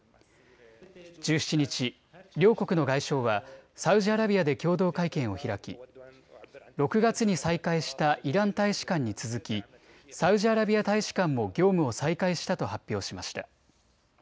１７日、両国の外相はサウジアラビアで共同会見を開き６月に再開したイラン大使館に続きサウジアラビア大使館も業務を再開したと発表しました。